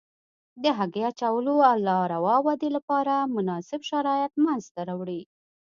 د هګۍ اچولو او لاروا ودې لپاره مناسب شرایط منځته راوړي.